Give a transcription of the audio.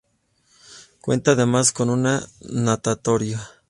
Cuenta además con un natatorio.